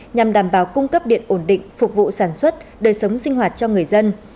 nhằm đảm bảo cung cấp điện ổn định phục vụ sản xuất đời sống sinh hoạt cho người dân